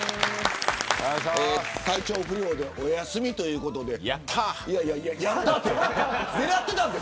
体調不良でお休みということです。